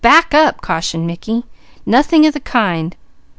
Back up!" cautioned Mickey. "Nothing of the kind!